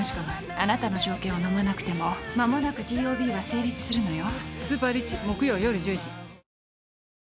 あなたの条件をのまなくても間もなくＴＯＢは成立するのよ。